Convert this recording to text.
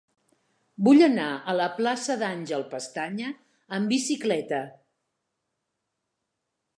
Vull anar a la plaça d'Àngel Pestaña amb bicicleta.